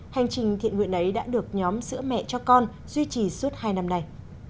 hành trình thiện nguyện ấy đã được nhóm giữa mẹ cho con duy trì suốt hai năm nay